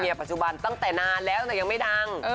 เดินทั้งแต่นานแล้วแต่ยังไม่ดัง